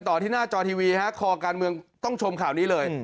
ที่หน้าจอทีวีฮะคอการเมืองต้องชมข่าวนี้เลย